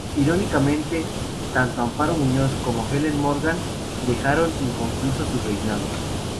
Irónicamente, tanto Amparo Muñoz como Helen Morgan dejaron inconclusos sus reinados.